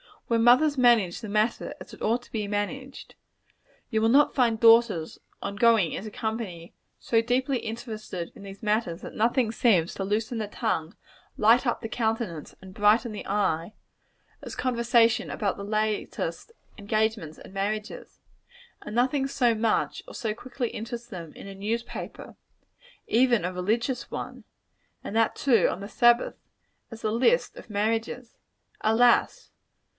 Where mothers manage the matter as it ought to be managed, you will not find daughters, on going into company, so deeply interested in these matters that nothing seems so to loosen the tongue, light up the countenance, and brighten the eye, as conversation about the latest engagements and marriages, and nothing so much or so quickly interest them in a newspaper, even a religious one, and that, too, on the Sabbath, as the list of marriages. Alas!